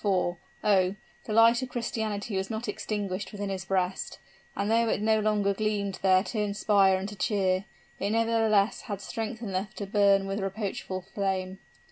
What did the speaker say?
For, oh! the light of Christianity was not extinguished within his breast; and though it no longer gleamed there to inspire and to cheer, it nevertheless had strength enough to burn with reproachful flame.